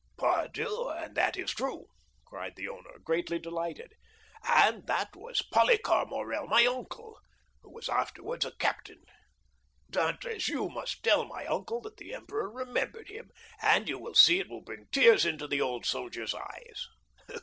'" "Pardieu! and that is true!" cried the owner, greatly delighted. "And that was Policar Morrel, my uncle, who was afterwards a captain. Dantès, you must tell my uncle that the emperor remembered him, and you will see it will bring tears into the old soldier's eyes.